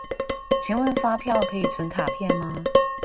請問發票可以存卡片嗎？